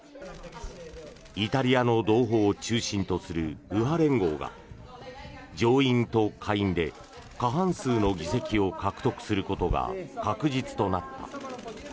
イタリアの同胞を中心とする右派連合が上院と下院で過半数の議席を獲得することが確実となった。